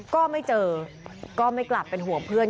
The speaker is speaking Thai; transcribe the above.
ก็ไม่เจอก็ไม่กลับเป็นห่วงเพื่อน